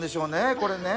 これね